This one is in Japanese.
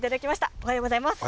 おはようございます。